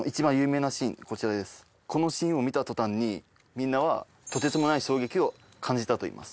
このシーンを見た途端にみんなはとてつもない衝撃を感じたといいます。